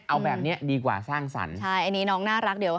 เอาแบบนี้ดีกว่าสร้างสรรค์